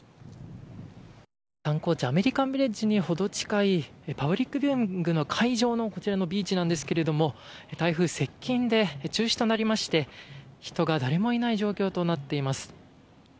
観光地、アメリカンビレッジにほど近いパブリックビューイングの会場のこちらのビーチなんですけれど台風接近で中止となりまして人が誰もいない状況となっています。